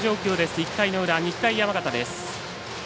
１回の裏、日大山形です。